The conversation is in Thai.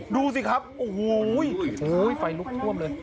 ดูสิครับโอ้โหไฟลุกท่วมเลย